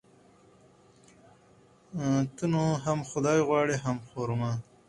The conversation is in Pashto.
ته نو هم خداى غواړي ،هم خر ما.